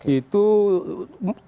itu tidak murni